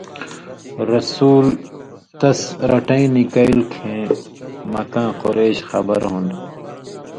رسولؐ تَس رَٹیں نِکَیل کھیں مَکاں قریش خبر ہُون٘دہۡ۔